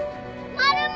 マルモ。